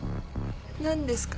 何ですか？